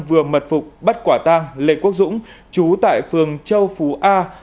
vừa mật phục bắt quả tang lê quốc dũng chú tại phường châu phú a